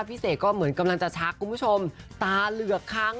เสกก็เหมือนกำลังจะชักคุณผู้ชมตาเหลือกค้าง